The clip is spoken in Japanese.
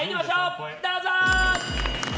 どうぞ！